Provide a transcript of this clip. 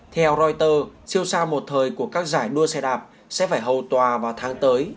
theo reuters siêu xa một thời của các giải đua xe đạp sẽ phải hầu tòa vào tháng tới